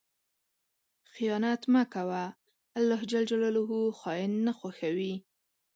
خیانت مه کوه، الله خائن نه خوښوي.